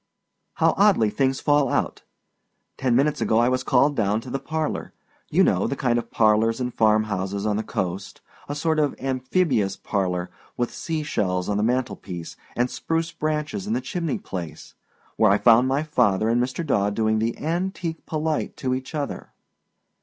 How oddly things fall out! Ten minutes ago I was called down to the parlor you know the kind of parlors in farm houses on the coast, a sort of amphibious parlor, with sea shells on the mantel piece and spruce branches in the chimney place where I found my father and Mr. Daw doing the antique polite to each other.